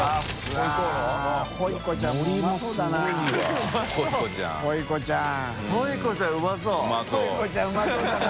ホイコちゃんうまそうだな。